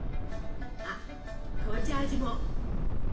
あっ紅茶味も！